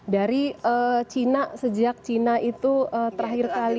dari china sejak cina itu terakhir kali